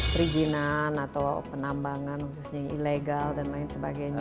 perizinan atau penambangan khususnya yang ilegal dan lain sebagainya